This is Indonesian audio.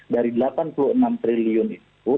dari delapan puluh enam triliun itu